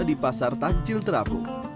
di pasar takjil terapung